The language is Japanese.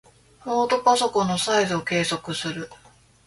ノートパソコンのサイズを計測する。